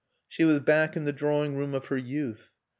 She was back in the drawing room of her youth.